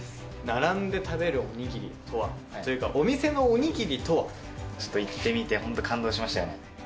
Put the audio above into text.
並んで食べるおにぎりとはというかお店のおにぎりとはちょっと行ってみて感動しましたよね